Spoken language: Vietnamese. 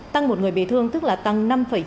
tăng một người bị thương tức là tăng năm chín